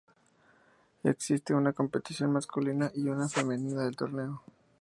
Existe una competición masculina y una femenina del torneo.